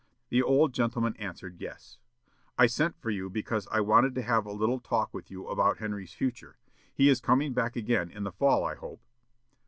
The old gentleman answered, 'Yes.' 'I sent for you because I wanted to have a little talk with you about Henry's future. He is coming back again in the fall, I hope?'